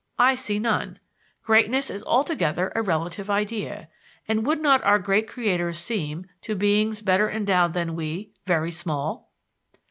I see none. Greatness is altogether a relative idea; and would not our great creators seem, to beings better endowed than we, very small?